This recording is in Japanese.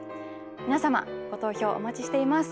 皆様ご投票お待ちしています。